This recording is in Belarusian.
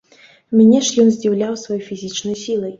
Мяне ж ён здзіўляў сваёй фізічнай сілай.